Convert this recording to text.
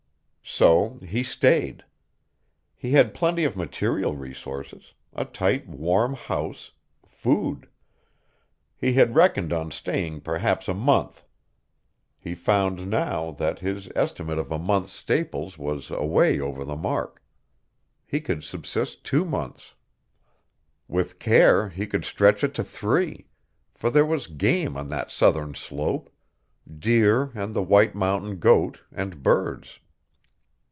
So he stayed. He had plenty of material resources, a tight warm house, food. He had reckoned on staying perhaps a month. He found now that his estimate of a month's staples was away over the mark. He could subsist two months. With care he could stretch it to three, for there was game on that southern slope, deer and the white mountain goat and birds.